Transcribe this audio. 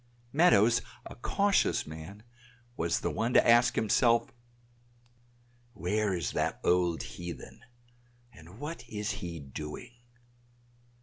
Meadows, a cautious man, was the one to ask himself, "Where is that old heathen, and what is he doing?"